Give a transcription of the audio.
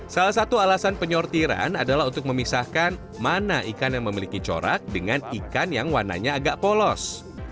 salah satu alasan penyortiran adalah untuk memisahkan mana ikan yang memiliki corak dengan ikan yang warnanya agak polos